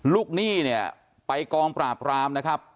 หนี้เนี่ยไปกองปราบรามนะครับ